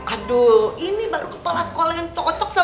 aduh ini baru kepala sekolah yang cocok sama saya yaa